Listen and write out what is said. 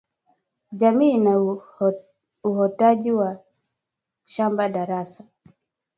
Jamii ina uhotaji wa shamba darasa